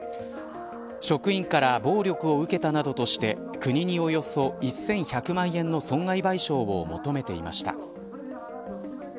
職員から暴力を受けたなどとして国におよそ１１００万円の損害賠償を求めていました。